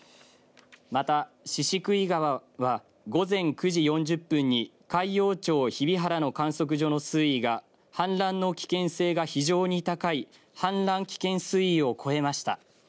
また宍喰川は午前９時４０分に海陽町日比原の観測所の水位が氾濫の危険性が非常に高い氾濫危険水位を超えました。